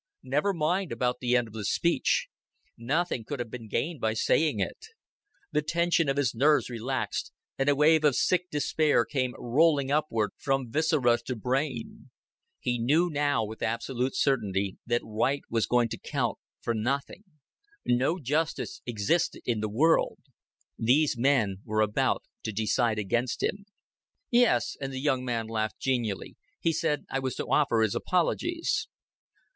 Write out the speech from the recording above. Never mind about the end of the speech. Nothing could have been gained by saying it. The tension of his nerves relaxed, and a wave of sick despair came rolling upward from viscera to brain. He knew now with absolute certainty that right was going to count for nothing; no justice existed in the world; these men were about to decide against him. "Yes," and the young man laughed genially "he said I was to offer his apologies."